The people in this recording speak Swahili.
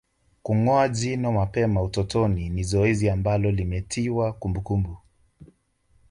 Kungoa jino mapema utotoni ni zoezi ambalo limetiwa kumbukumbu